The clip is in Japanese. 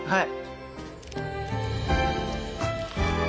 はい。